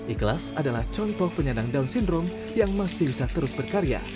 ikhlas adalah contoh penyandang down syndrome yang masih bisa terus berkarya